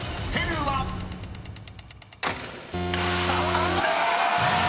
［残念！］